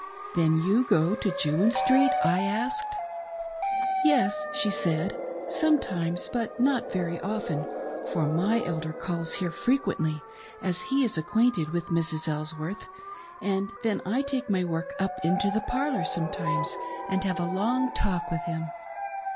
" Then_j'o» go to Jewin Street .'" I asked. " Yes," she said, " sometimes, but not very often, for my elder calls here fre quently, as he is acquainted with Mrs. Elsworth; and then I take my work up into the parlor sometimes and have a long talk with him.